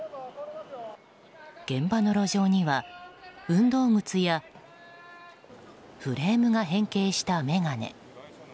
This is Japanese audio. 現場の路上には運動靴やフレームが変形した眼鏡。